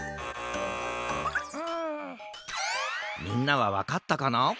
みんなはわかったかな？